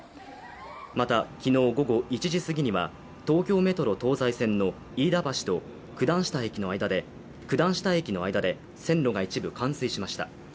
また、昨日午後１時過ぎには東京メトロ東西線の飯田橋駅と九段下駅の間で線路が一部冠水しました。